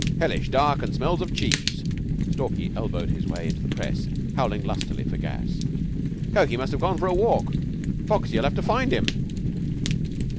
"'Hellish dark and smells of cheese.'" Stalky elbowed his way into the press, howling lustily for gas. "Cokey must have gone for a walk. Foxy'll have to find him."